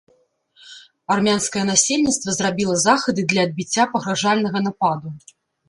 Армянскае насельніцтва зрабіла захады для адбіцця пагражальнага нападу.